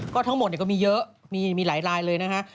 ก็ทั้งหมดก็มีเยอะมีหลายเลยนะครับ